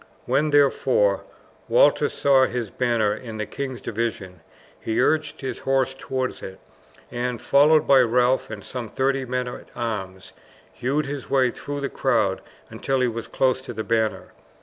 When, therefore, Walter saw his banner in the king's division he urged his horse towards it, and, followed by Ralph and some thirty men at arms, hewed his way through the crowd until he was close to the banner.